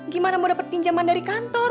gimana mau dapat pinjaman dari kantor